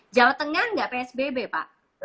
jawa tengah nggak psbb pak